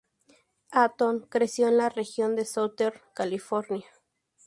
Eaton creció en la región de Southern California.